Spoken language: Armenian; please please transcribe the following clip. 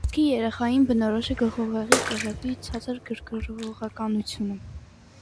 Կրծքի երեխային բնորոշ է գլխուղեղի կեղևի ցածր գրգռողականությունը։